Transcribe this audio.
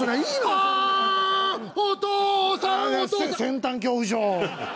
先端恐怖症！